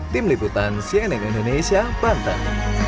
tim liputan cnn indonesia banten